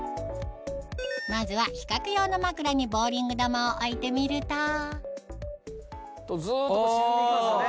まずは比較用の枕にボウリング球を置いてみるとずっと沈んでいきますよね。